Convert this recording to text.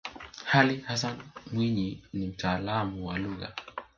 ali hassan mwinyi ni mtaalamu wa lugha